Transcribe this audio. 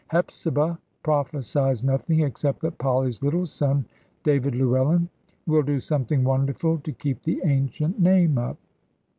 Hepzibah prophesies nothing, except that Polly's little son, "David Llewellyn," will do something wonderful, to keep the ancient name up.